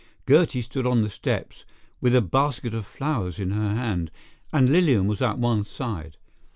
Gertie stood on the steps with a basket of flowers in her hand, and Lilian was at one side.